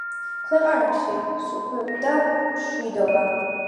ქვეყანაში სუფევდა მშვიდობა.